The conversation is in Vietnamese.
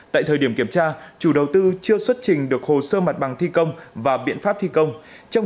tại thời điểm kiểm tra chủ đầu tư chưa xuất trình được hồ sơ mặt bằng thi công và biện pháp thi công